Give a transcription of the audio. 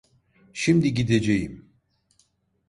Şimdi gideceğim.